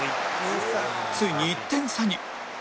ついに１点差に